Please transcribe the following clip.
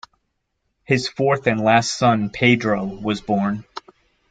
His fourth and last son, Pedro, was born.